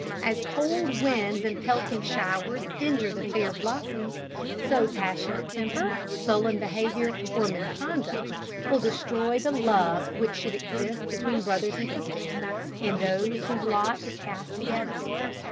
As cold winds and pelting showers injure the fair blossoms, so passionate temper, sullen behaviour, or misconduct, will destroy the love which should exist between brothers and sisters, and those whose lot is cast together.